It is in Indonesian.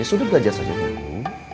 ya sudah belajar saja dulu